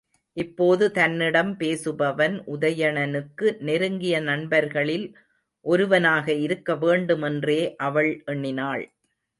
இப்போது தன்னிடம் பேசுபவன் உதயணனுக்கு நெருங்கிய நண்பர்களில் ஒருவனாக இருக்க வேண்டுமென்றே அவள் எண்ணினாள்.